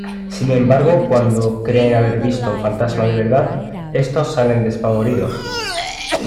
Sin embargo cuando creen haber visto un fantasma de verdad, estos salen despavoridos.